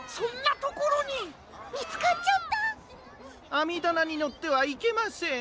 あみだなにのってはいけません。